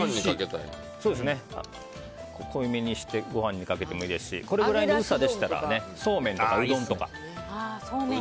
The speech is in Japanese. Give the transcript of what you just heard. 濃いめにしてご飯にかけてもいいですしこれくらいの薄さでしたらそうめんとかうどんとか。